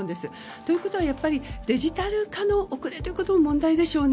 ということはデジタル化の遅れが問題でしょうね。